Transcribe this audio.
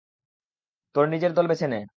তোর নিজের দল বেছে নে।